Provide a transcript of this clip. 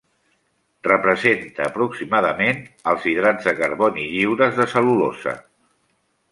Representa aproximadament als hidrats de carboni lliures de cel·lulosa.